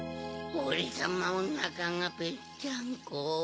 オレさまおなかがぺっちゃんこ